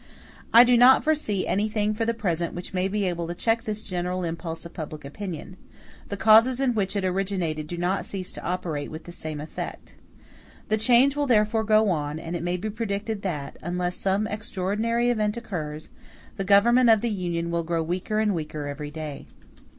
I do not foresee anything for the present which may be able to check this general impulse of public opinion; the causes in which it originated do not cease to operate with the same effect. The change will therefore go on, and it may be predicted that, unless some extraordinary event occurs, the Government of the Union will grow weaker and weaker every day.